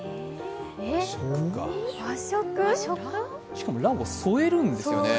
しかも「ら」を添えるんですよね。